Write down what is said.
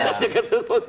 jakarta sembuh bawa golok